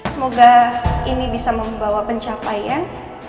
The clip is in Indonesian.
semoga ini bisa membawa pencapaian